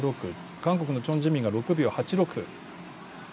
韓国のチョン・ジミンが６秒８６。